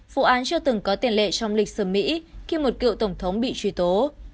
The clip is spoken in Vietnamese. vụ án chưa từng có tiền lệ trong lịch sử mỹ khi một cựu tổng thống bị truy tố